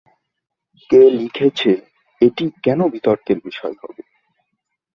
কে লিখেছে এটি- কেন বিতর্কের বিষয় হবে?